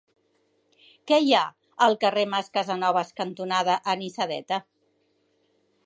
Què hi ha al carrer Mas Casanovas cantonada Anisadeta?